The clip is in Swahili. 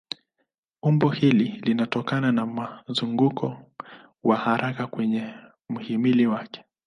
Umbo hili linatokana na mzunguko wa haraka kwenye mhimili wake.